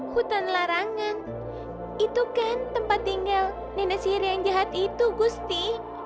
hutan larangan itu kan tempat tinggal nenek sihir yang jahat itu gusti